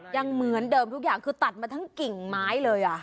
ยังเหมือนเดิมทุกอย่างคือตัดมาทั้งกิ่งไม้เลย